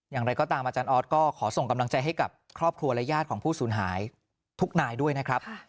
อย่างไรก็ตามอาจารย์ออสก็ขอส่งกำลังใจให้กับครอบครัวและญาติของผู้สูญหายทุกนายด้วยนะครับ